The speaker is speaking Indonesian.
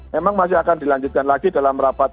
memang masih akan dilanjutkan lagi dalam rapat